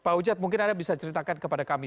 pak ujad mungkin ada yang bisa ceritakan kepada kami